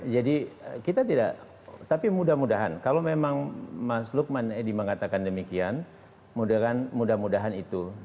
jadi kita tidak tapi mudah mudahan kalau memang mas lukman edi mengatakan demikian mudah mudahan itu